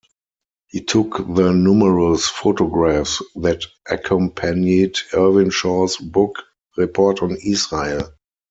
He took the numerous photographs that accompanied Irwin Shaw's book, "Report on Israel".